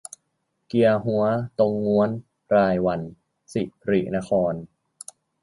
เกียฮั้ว ตงง้วน รายวัน ศิรินคร